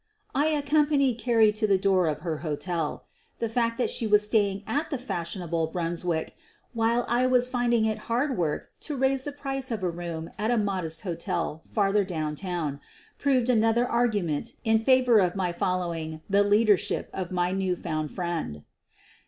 ' I accompanied Carrie to the door of her hotel. The fact that she was staying at the fashionable Brunswick, while I was finding it hard work to raise the price of a room at a modest hotel f arther down QUEEN OF THE BURGLAKS 93 town, proved another argument in favor of my fol lowing the leadership of my new found friend.